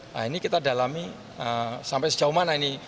nah ini kita dalami sampai sejauh mana ini